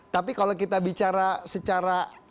tapi kalau kita bicara secara